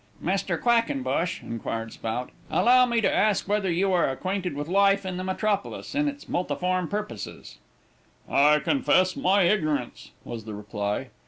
"Mr. Quackenbush," inquired Spout, "allow me to ask whether you are acquainted with life in the metropolis in its multiform phases?" "I confess my ignorance," was the reply.